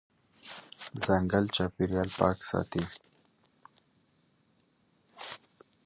ځنګل چاپېریال پاک ساتي.